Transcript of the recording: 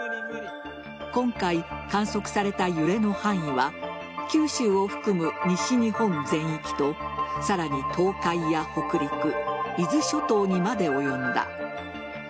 今回観測された揺れの範囲は九州を含む西日本全域とさらに東海や北陸伊豆諸島にまで及んだ。